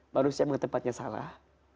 manusia mengetepatnya salah